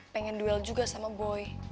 pengen duel juga sama boy